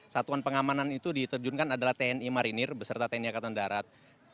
satuan pengamanan itu diterjunkan adalah tni marinir beserta tni angkatan darat